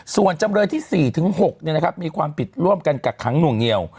ส่วนจำเลยที่๔ถึง๖เนี่ยนะครับมีความผิดร่วมกันกับขังหน่วงเงียว